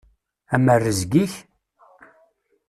Am rrezg-ik!